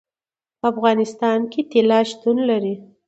په افغانستان کې طلا شتون لري.